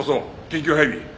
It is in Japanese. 緊急配備。